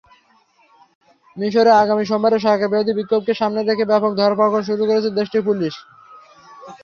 মিসরে আগামী সোমবারের সরকারবিরোধী বিক্ষোভকে সামনে রেখে ব্যাপক ধরপাকড় শুরু করেছে দেশটির পুলিশ।